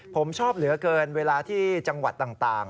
ผมชอบเหลือเกินเวลาที่จังหวัดต่าง